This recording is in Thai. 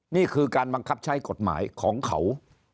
นี่คือการบังคับใช้กฎหมายของเขา